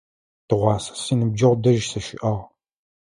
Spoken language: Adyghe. Тыгъуасэ синыбджэгъу дэжь сыщыӏагъ.